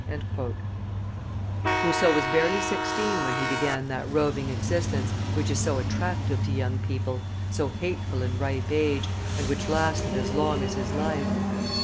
Rousseau was barely sixteen when he began that roving existence which is so attractive to young people, so hateful in ripe age, and which lasted as long as his life.